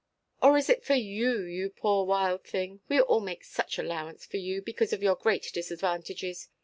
"Or is it for you, you poor wild thing? We all make such allowance for you, because of your great disadvantages.